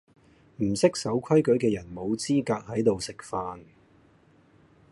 唔識守規矩既人無資格喺度食飯